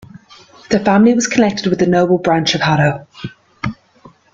The family was connected with the noble branch of Haddo.